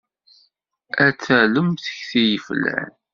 Ad talem tekti yeflan.